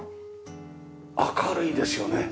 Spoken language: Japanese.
明るいですよね。